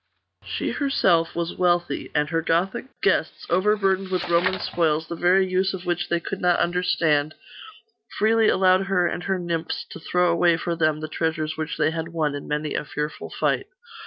She herself was wealthy; and her Gothic guests, overburdened with Roman spoils, the very use of which they could not understand, freely allowed her and her nymphs to throw away for them the treasures which they had won in many a fearful fight.